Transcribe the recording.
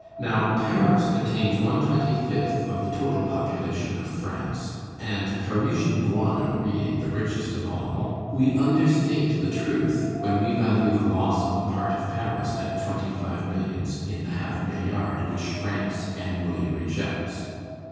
Now, Paris contains one twenty fifth of the total population of France, and Parisian guano being the richest of all, we understate the truth when we value the loss on the part of Paris at twenty five millions in the half milliard which France annually rejects.